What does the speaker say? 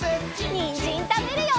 にんじんたべるよ！